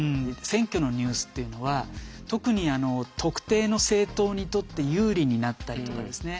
選挙のニュースっていうのは特に特定の政党にとって有利になったりとかですね